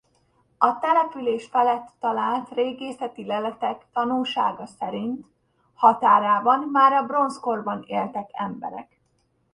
A település felett talált régészeti leletek tanúsága szerint határában már a bronzkorban éltek emberek.